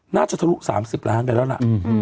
น่าจะทะลุ๓๐ล้านไปแล้วหล่ะ